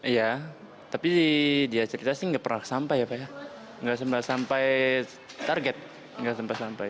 iya tapi dia cerita sih nggak pernah sampai ya pak ya nggak sampai target nggak sampai sampai